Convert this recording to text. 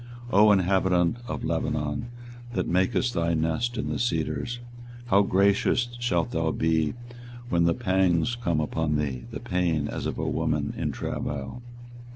24:022:023 O inhabitant of Lebanon, that makest thy nest in the cedars, how gracious shalt thou be when pangs come upon thee, the pain as of a woman in travail!